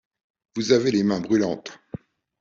Vous avez les mains brûlantes!